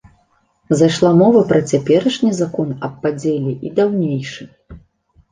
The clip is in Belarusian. Зайшла мова пра цяперашні закон аб падзеле й даўнейшы.